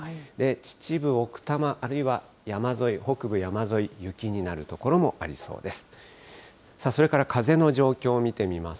秩父、奥多摩、あるいは山沿い、北部山沿い、雪になる所もありそうです。